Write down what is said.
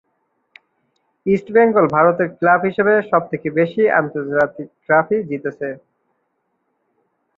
ইষ্ট বেঙ্গল ভারতের ক্লাব হিসাবে সব থেকে বেশি আন্তর্জাতিক ট্রফি জিতেছে।